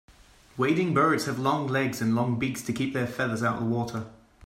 Wading birds have long legs and long beaks to keep their feathers out of the water.